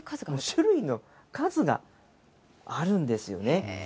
種類の数があるんですよね。